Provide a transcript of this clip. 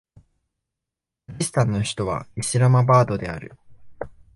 パキスタンの首都はイスラマバードである